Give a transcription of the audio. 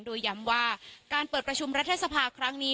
โดยย้ำว่าการเปิดประชุมรัฐสภาครั้งนี้